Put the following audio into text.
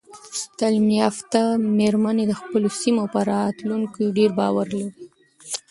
تعلیم یافته میرمنې د خپلو سیمو په راتلونکي ډیر باور لري.